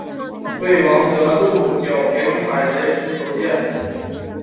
为王得禄剿平海贼时所建。